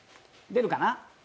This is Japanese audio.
出るかな？